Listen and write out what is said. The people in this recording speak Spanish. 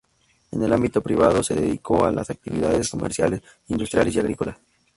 En el ámbito privado se dedicó a las actividades comerciales, industriales y agrícolas.